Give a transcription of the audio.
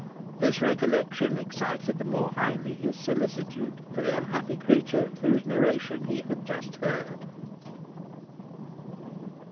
This recollection excited the more highly his solicitude for the unhappy creature whose narration he had just heard.